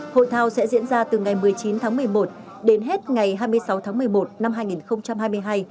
hội thao sẽ diễn ra từ ngày một mươi chín tháng một mươi một đến hết ngày hai mươi sáu tháng một mươi một năm hai nghìn hai mươi hai